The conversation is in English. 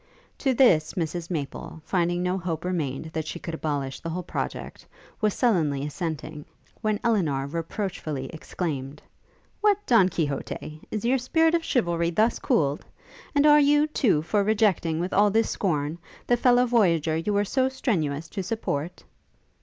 To this Mrs Maple, finding no hope remained that she could abolish the whole project, was sullenly assenting, when Elinor reproachfully exclaimed, 'What, Don Quixote! is your spirit of chivalry thus cooled? and are you, too, for rejecting, with all this scorn, the fellow voyager you were so strenuous to support?'